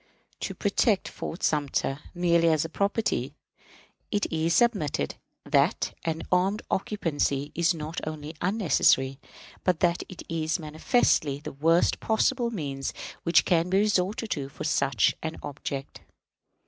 To protect Fort Sumter, merely as property, it is submitted that an armed occupancy is not only unnecessary, but that it is manifestly the worst possible means which can be resorted to for such an object.